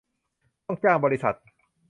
ต้องจ้างบริษัท